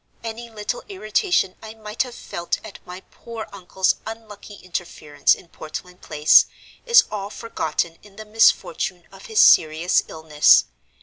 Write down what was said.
Any little irritation I might have felt at my poor uncle's unlucky interference in Portland Place is all forgotten in the misfortune of his serious illness.